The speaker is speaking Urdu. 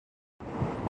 بہت خطرناک بیماری ہے۔